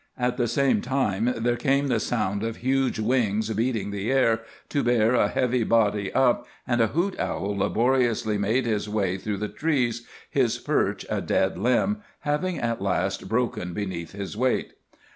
At the same time there came the sound of huge wings beating the air to bear a heavy body up, and a hoot owl laboriously made his way through the trees, his perch, a dead limb, having at last broken beneath his weight.